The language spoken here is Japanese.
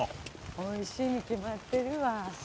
おいしいに決まってるわ。